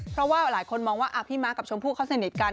เพราะว่าหลายคนมองว่าพี่ม้ากับชมพู่เขาสนิทกัน